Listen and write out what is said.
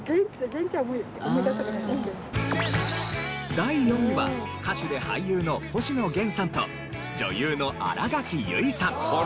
第４位は歌手で俳優の星野源さんと女優の新垣結衣さん。